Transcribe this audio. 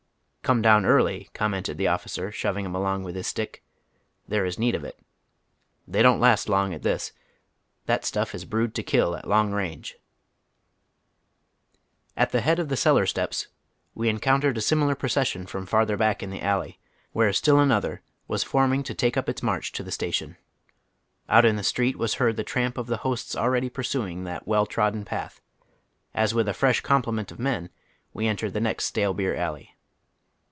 " Come down early," commented the officer, shoving him along with his stick. " There is need of it. They don't last long at this. That stuff is brewed to kill at long range." At the head of the cellai' stepa we encountered a simi lar procession from farther back in the alley, where still another was foi'ming to take up its marcli to the station. Out in the street was heard the tramp of the hosts already pursuing that well trodden path, as with a fresh comple ment of men we entered the next stale beer alley.